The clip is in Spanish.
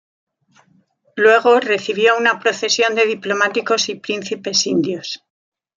Luego recibió una procesión de diplomáticos y príncipes indios.